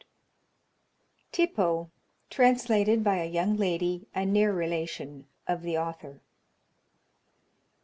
TIPPO. _Translated by a young Lady, a near Relation of the Author.